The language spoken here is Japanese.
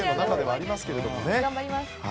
頑張ります。